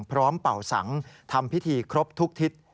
เป่าสังทำพิธีครบทุกทิศ